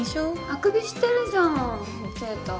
あくびしてるじゃん圭太。